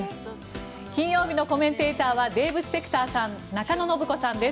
金曜日のコメンテーターはデーブ・スペクターさん中野信子さんです